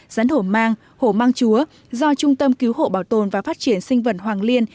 rắn hổ mang hổ mang chúa do trung tâm cứu hộ bảo tồn và phát triển sinh vật hoàng liên